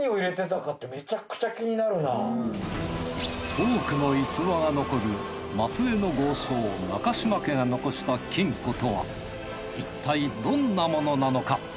多くの逸話が残る松江の豪商中島家が残した金庫とはいったいどんなものなのか！？